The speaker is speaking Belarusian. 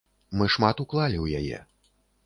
Мы шмат уклалі ў яе.